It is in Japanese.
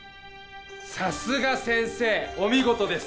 さすが先生お見事です。